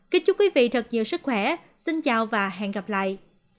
kính chúc quý vị thật nhiều sức khỏe xin chào và hẹn gặp lại